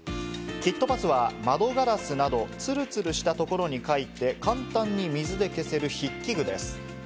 キットパスは窓ガラスなどツルツルしたところに描いて、簡単に水で消せる筆記具です。